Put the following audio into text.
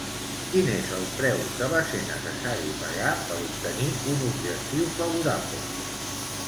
Quin és el preu que va ser necessari pagar per obtenir un objectiu favorable?